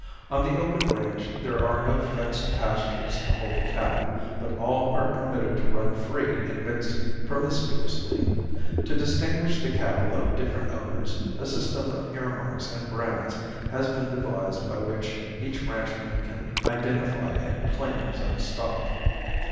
On the open range there are no fenced pastures to hold the cattle, but all are permitted to run free and mix promiscuously. To distinguish the cattle of different owners a system of earmarks and brands has been devised by which each ranchman can identify and claim his own stock.